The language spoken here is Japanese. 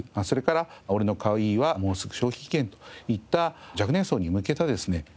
それから『俺の可愛いはもうすぐ消費期限！？』といった若年層に向けたですね